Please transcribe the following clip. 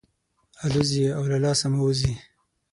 الوزي او له لاسه مو وځي.